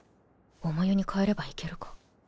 重湯に替えればいけるか